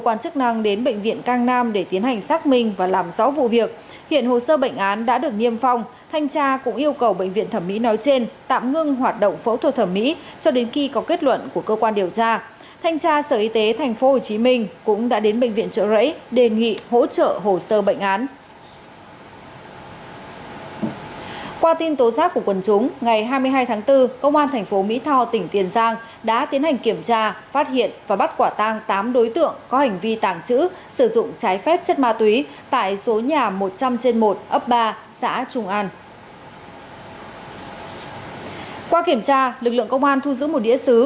qua kiểm tra lực lượng công an thu giữ một đĩa xứ